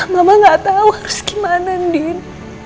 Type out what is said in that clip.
mama gak tau harus gimana andin